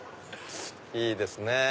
いいですね